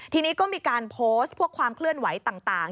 ทีนี้ก็มีการโพสต์พวกความเคลื่อนไหวต่าง